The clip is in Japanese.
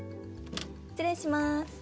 失礼します